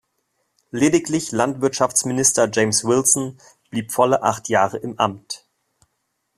Lediglich Landwirtschaftsminister James Wilson blieb volle acht Jahre im Amt.